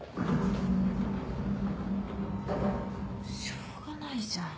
しょうがないじゃん。